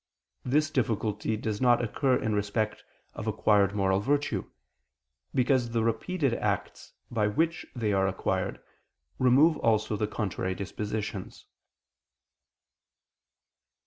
This difficulty does not occur in respect of acquired moral virtue: because the repeated acts by which they are acquired, remove also the contrary dispositions.